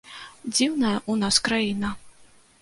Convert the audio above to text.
Дзіўная ў нас краіна.